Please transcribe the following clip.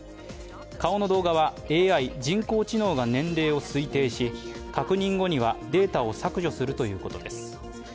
顔の動画は、ＡＩ＝人工知能が年齢を推定し確認後にはデータを削除するということです。